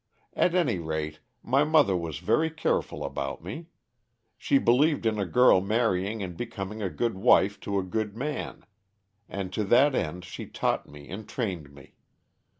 At any rate, my mother was very careful about me. She believed in a girl marrying and becoming a good wife to a good man, and to that end she taught me and trained me.